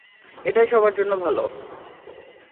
এটাই সবার জন্য ভালো।